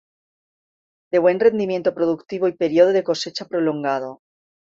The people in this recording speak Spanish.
De buen rendimiento productivo y periodo de cosecha prolongado.